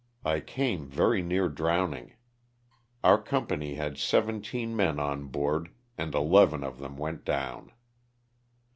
I came very near drowning. Our company had seventeen men on board and eleven of them went down.